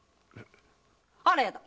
あらやだ